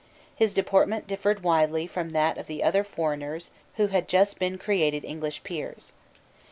His deportment differed widely from that of the other foreigners who had just been created English peers.